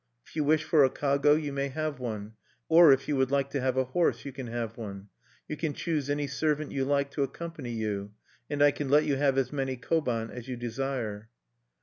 If you wish for a kago, you may have one; or if you would like to have a horse, you can have one. "You can choose any servant you like to accompany you, and I can let you have as many koban as you desire."